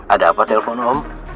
ada apa telepon om